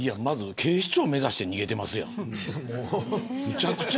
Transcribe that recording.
警視庁を目指して逃げてますやん。